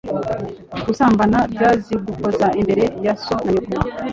gusambana, byazigukoza imbere ya so na nyoko